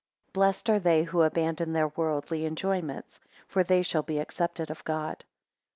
15 Blessed are they who abandon their worldly enjoyments; for they shall be accepted of God.